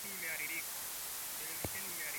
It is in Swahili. Televisheni imeharibika.